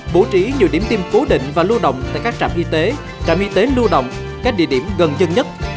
bố trí nhiều điểm tiêm cố định và lưu động tại các trạm y tế trạm y tế lưu động các địa điểm gần chân nhất